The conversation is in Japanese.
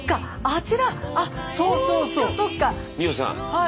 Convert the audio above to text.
はい。